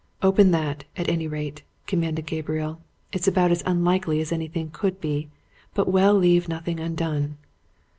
"Open that, at any rate," commanded Gabriel. "It's about as unlikely as anything could be, but we'll leave nothing undone."